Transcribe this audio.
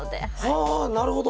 はあなるほど。